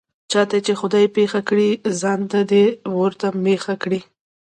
چاته یې چې خدای پېښه کړي، ځان دې ورته مېښه کړي.